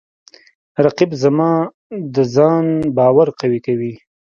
رقیب زما د ځان باور قوی کوي